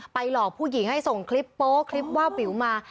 หลอกผู้หญิงให้ส่งคลิปโป๊คลิปว่าวิวมา